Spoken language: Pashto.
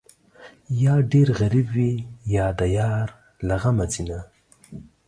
یا ډېر غریب وي، یا د یار له غمه ځینه